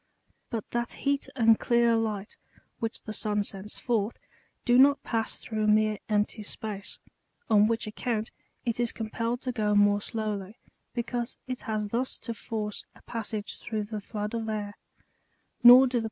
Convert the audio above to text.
But that heat, and clear light, which the sun sends forth, do not pass through mere empty space ; on which account, it is compelled to go more slowly, because it has thus to force a passage * And doubtless this errant motion, ^c] Ver.